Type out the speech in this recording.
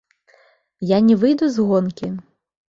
Я не выйду з гонкі.